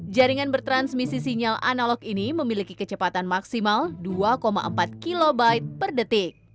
jaringan bertransmisi sinyal analog ini memiliki kecepatan maksimal dua empat kb per detik